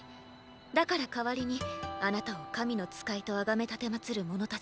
だから代わりにあなたを神の使いと崇めたてまつる者たちを。